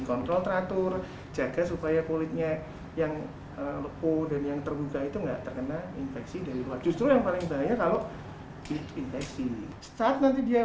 kontrol teratur jaga supaya kulitnya yang lepuh dan yang terbuka itu enggak terkena infeksi dari rumah